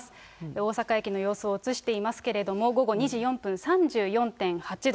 大阪駅の様子を映していますけれども、午後２時４分、３４．８度。